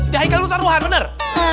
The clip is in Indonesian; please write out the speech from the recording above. dah ikan lo taruhan benar